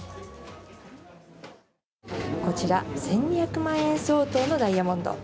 こちら、１２００万円相当のダイヤモンド。